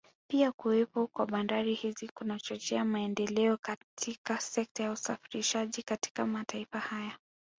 Pia kuwepo kwa bandari hizi kunachochea maendeleo katika sekta ya usafirishaji katika mataifa haya